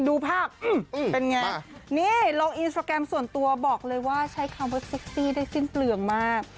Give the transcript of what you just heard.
ดูภาพเป็นไงนี่ลงอินสตราแกรมส่วนตัวบอกเลยว่าใช้คำว่าเซ็กซี่ได้สิ้นเปลืองมาก